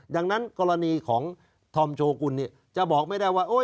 ดังนั้นกรณีของธอมโชกุลจะบอกไม่ได้ว่า